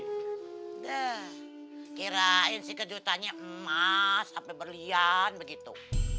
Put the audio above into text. dah kirain si kejutannya emas sampai berlian begitu